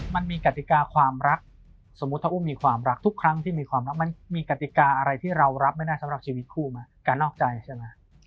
มันมีกติกาความรักสมมุติถ้าอุ้มมีความรักทุกครั้งที่มีความรักมันมีกติกาอะไรที่เรารับไม่ได้สำหรับชีวิตคู่ไหมการนอกใจใช่ไหม